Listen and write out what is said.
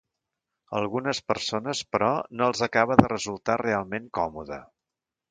A algunes persones, però, no els acaba de resultar realment còmode.